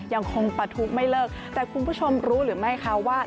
ยังคงปะทุไม่เลิกแต่คุณผู้ชมรู้หรือไม่คะว่า